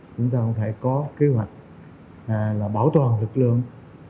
chúng ta có kế hoạch là bảo toàn lực lượng